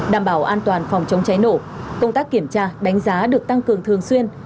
đảm bảo an toàn phòng chống cháy nổ công tác kiểm tra đánh giá được tăng cường thường xuyên